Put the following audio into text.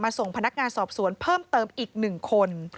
ส่งพนักงานสอบสวนเพิ่มเติมอีก๑คน